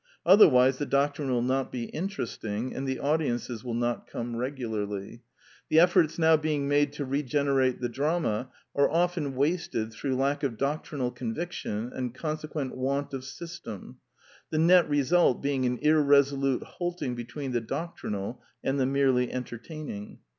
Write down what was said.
Otherwise the doctrine will not be interesting, and the audiences will not come regularly. The efforts now being made to regenerate the drama are often Wasted through lack of doctrinal conviction and consequent want of system, the net result being an irresolute halting between the doctrinal and the merely entertaining.